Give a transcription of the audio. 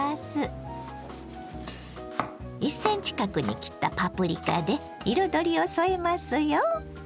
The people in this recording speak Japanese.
１ｃｍ角に切ったパプリカで彩りを添えますよ。